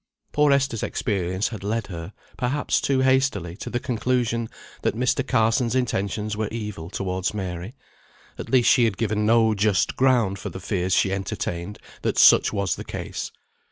Poor Esther's experience had led her, perhaps, too hastily to the conclusion, that Mr. Carson's intentions were evil towards Mary; at least she had given no just ground for the fears she entertained that such was the case.